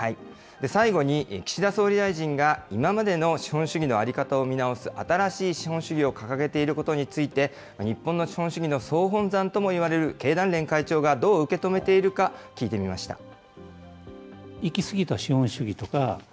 最後に、岸田総理大臣が、今までの資本主義の在り方を見直す新しい資本主義を掲げていることについて、日本の資本主義の総本山ともいわれる経団連会長がどう受け止めているか、聞いてみました。